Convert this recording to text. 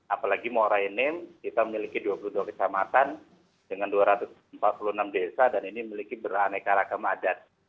apalagi muara enim kita memiliki dua puluh dua kesamatan dengan dua ratus empat puluh enam desa dan ini memiliki beraneka rakam adat